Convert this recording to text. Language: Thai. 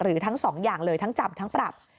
หรือทั้ง๒อย่างเลยทั้งจำทั้งปรับ